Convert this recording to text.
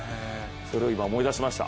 それを今、思い出しました。